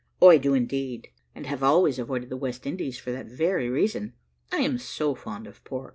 "I do indeed: and have always avoided the West Indies for that very, reason I am so fond of pork."